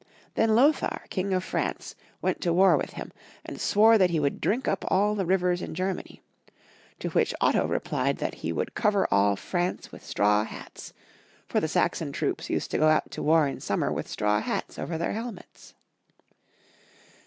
Then Lothar, King of France, went to war with him, and swore that he would drink up all the rivers in Germany ; to which Otto replied that he would cover all France with straw hats, for the Saxon troops used to go out to war in summer with straw hats over their hemlets.